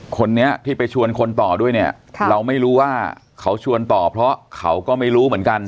คนนี้ที่ไปชวนคนต่อด้วยเนี่ยเราไม่รู้ว่าเขาชวนต่อเพราะเขาก็ไม่รู้เหมือนกัน